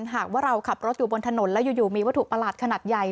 หากว่าเราขับรถอยู่บนถนนแล้วอยู่มีวัตถุประหลาดขนาดใหญ่